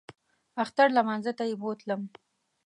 اختر لمانځه ته یې بوتلم.